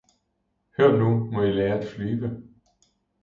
Hør nu må I lære at flyve!